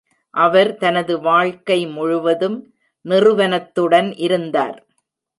அவர் தனது வாழ்க்கை முழுவதும் நிறுவனத்துடன் இருந்தார்.